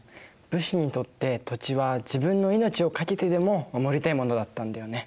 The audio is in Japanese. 武士にとって土地は自分の命を懸けてでも守りたいものだったんだよね。